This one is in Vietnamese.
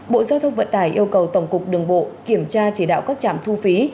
bộ giao thông vận tải yêu cầu tổng cục đường bộ kiểm tra chỉ đạo các trạm thu phí